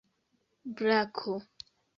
brako